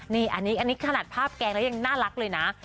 นี่อันนี้ขนาดภาพแกงแล้วยังน่ารักเลยนะ